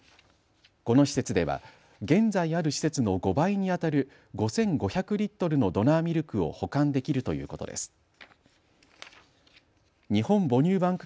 この施設では現在ある施設の５倍に当たる５５００リットルのドナーミルクを保管できるということです。